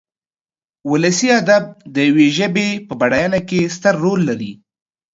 ولسي ادب د يوې ژبې په بډاينه کې ستر رول لري.